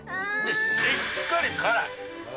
しっかり辛い！